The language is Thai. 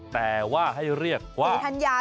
แต่ว่าให้เรียกว่า